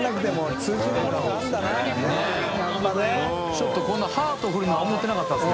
ちょっとこんなにハートフルな思ってなかったですね。